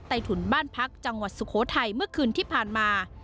ถุนบ้านพักจังหวัดสุโขทัยเมื่อคืนที่ผ่านมา